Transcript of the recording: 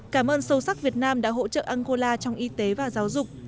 cảm ơn sâu sắc việt nam đã hỗ trợ angola trong y tế và giáo dục